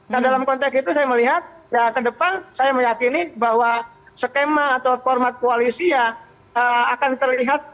nah dalam konteks itu saya melihat ya ke depan saya meyakini bahwa skema atau format koalisi ya akan terlihat